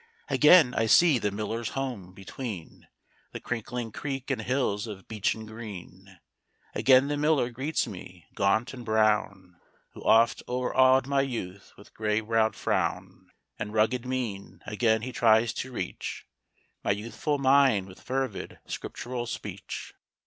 Again I see the miller's home, between The crinkling creek and hills of beechen green: Again the miller greets me, gaunt and brown, Who oft o'erawed my youth with gray browed frown And rugged mien: again he tries to reach My youthful mind with fervid scriptural speech.